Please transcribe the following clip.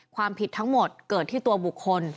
ความผิดทั้งหมดเกิดที่ตัวบุคคล